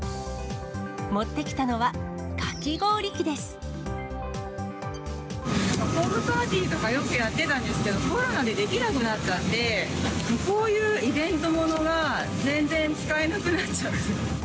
持ってきたのは、ホームパーティーとかよくやってたんですけど、コロナでできなくなっちゃって、こういうイベントものが全然使えなくなっちゃって。